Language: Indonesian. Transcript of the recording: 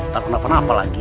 tak kenapa kenapa lagi